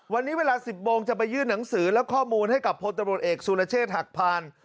วันนี้เวลา๑๐โมงจะไปยื่นหนังสือและข้อมูลให้กับพลตำรวจเอกสุรเชษฐ์หักพาน